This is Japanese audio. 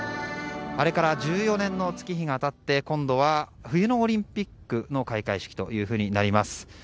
あれから１４年の月日が経って今度は冬のオリンピックの開会式となります。